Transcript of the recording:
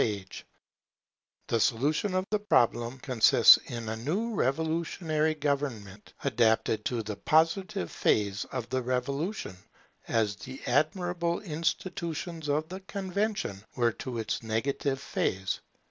[Popular dictatorship with freedom of speech] The solution of the problem consists in a new revolutionary government, adapted to the Positive phase of the Revolution, as the admirable institutions of the Convention were to its negative phase.